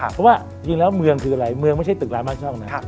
เพราะว่าจริงแล้วเมืองคืออะไรเมืองไม่ใช่ตึกร้านบ้านช่องนะ